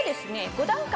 ５段階。